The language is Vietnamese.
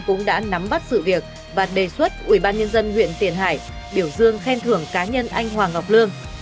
cũng đã nắm bắt sự việc và đề xuất ubnd huyện tiền hải biểu dương khen thưởng cá nhân anh hoàng ngọc lương